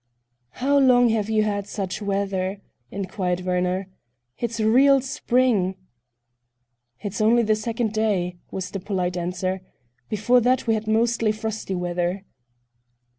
"How long have you had such weather?" inquired Werner. "It's real spring." "It's only the second day," was the polite answer. "Before that we had mostly frosty weather."